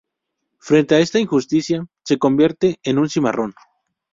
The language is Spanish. Frente a esta injusticia, se convierte en un cimarrón.